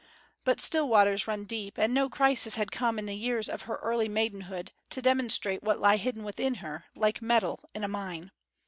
But still waters run deep; and no crisis had come in the years of her early maidenhood to demonstrate what lay hidden within her, like metal in a mine.